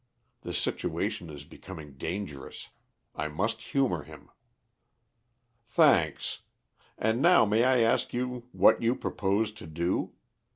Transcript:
The situation is becoming dangerous. I must humour him." "Thanks. And now may I ask what you propose to do?